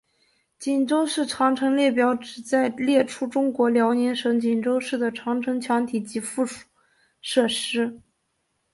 锦州市长城列表旨在列出中国辽宁省锦州市的长城墙体及附属设施。